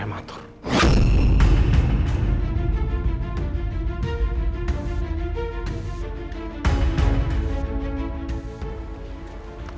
terpaksa melahirkan secara prematur